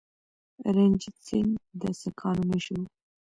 رنجیت سنګ د سکانو مشر و.